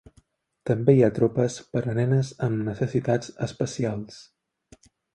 També hi ha tropes per a nenes amb necessitats especials.